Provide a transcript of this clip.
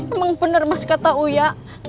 emang bener mas kata uya